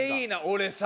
俺さ。